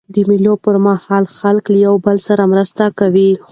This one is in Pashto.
د مېلو پر مهال خلک له یو بل سره مرسته کوي.